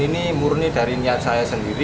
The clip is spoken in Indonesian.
ini murni dari niat saya sendiri